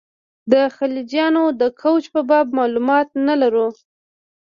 د خلجیانو د کوچ په باب معلومات نه لرو.